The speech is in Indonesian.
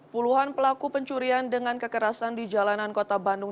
puluhan pelaku pencurian dengan kekerasan di jalanan kota bandung